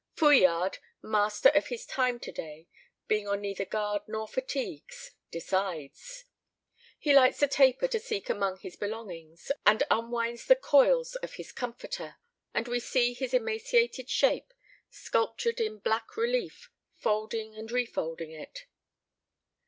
Fouillade, master of his time to day, being on neither guard nor fatigues, decides. He lights a taper to seek among his belongings, and unwinds the coils of his comforter, and we see his emaciated shape, sculptured in black relief, folding and refolding it.